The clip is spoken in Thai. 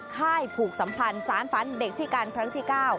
ค่ายผูกสัมพันธ์สารฝันเด็กพิการครั้งที่๙